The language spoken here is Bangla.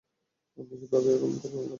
আপনি কিভাবে এরকম জীবন কাটান?